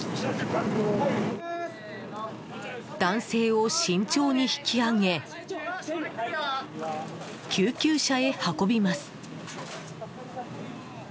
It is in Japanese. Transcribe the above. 男性を慎重に引き揚げ救急車へ運びます。